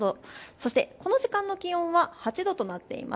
そして、この時間の気温は８度となっています。